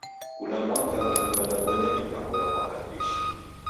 Kula mwaka w'andu w'abonya mipango ra Mwaka M'bishi.